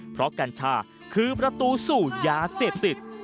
เพราะกัญชาคือประตูสู่ยาเสพติด